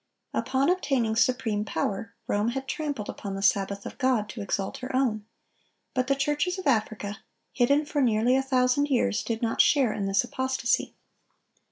Upon obtaining supreme power, Rome had trampled upon the Sabbath of God to exalt her own; but the churches of Africa, hidden for nearly a thousand years, did not share in this apostasy.